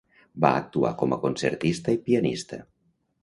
Va actuar com a concertista i pianista.